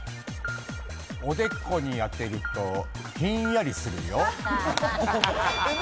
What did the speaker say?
おでこに当てるとひんやりするよ。